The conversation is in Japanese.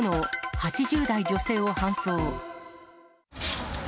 ８０代女性を搬送。